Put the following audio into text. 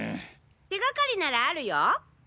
手掛かりならあるよ！